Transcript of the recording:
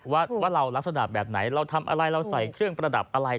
ว่าเราลักษณะแบบไหนเราทำอะไรเราใส่เครื่องประดับอะไร